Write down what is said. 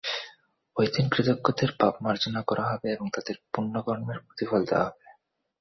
ঐ দিন কৃতজ্ঞদের পাপ মার্জনা করা হবে এবং তাদের পুণ্য কর্মের প্রতিফল দেওয়া হবে।